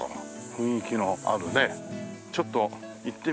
雰囲気のあるねちょっと行ってみましょう。